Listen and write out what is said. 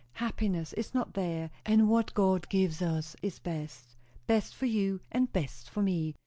Happiness is not there; and what God gives us is best. Best for you and best for me.